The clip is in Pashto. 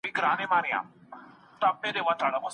ډاکټره د لوړ ږغ سره پاڼه ړنګه کړه.